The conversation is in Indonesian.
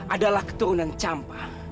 adalah keturunan champa